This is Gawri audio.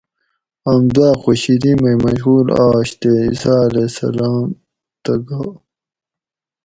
آم دُواۤ خوشیلی مئ مشغول آش تے عیسٰی علیہ السلام تہ گا